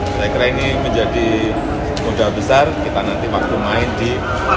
saya kira ini menjadi modal besar kita nanti waktu main di